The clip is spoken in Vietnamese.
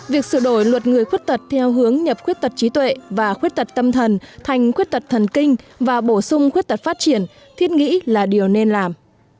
việc sửa đổi luật người khuyết tật theo hướng nhập khuyết tật trí tuệ và khuyết tật tâm thần thành khuyết tật thần kinh và bổ sung khuyết tật phát triển thiết nghĩ là điều nên làm